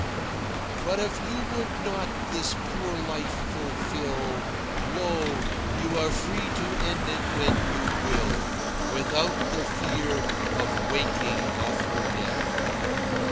"But if you would not this poor life fulfil, Lo, you are free to end it when you will, Without the fear of waking after death."